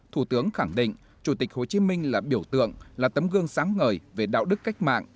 thủ tướng khẳng định chủ tịch hồ chí minh là biểu tượng là tấm gương sáng ngời về đạo đức cách mạng